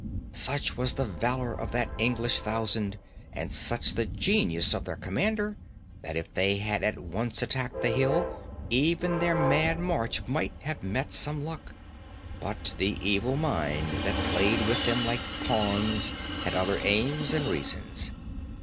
"Such was the valour of that English thousand, and such the genius of their commander, that if they had at once attacked the hill, even their mad march might have met some luck. But the evil mind that played with them like pawns had other aims and reasons.